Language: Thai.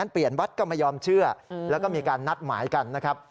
เปลี่ยนวัดก็ไม่ยอมเชื่อแล้วก็มีการนัดหมายกันนะครับ